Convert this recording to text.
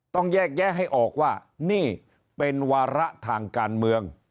ต้องแยกแยะให้ออกว่านี่เป็นวาระทางการเมือง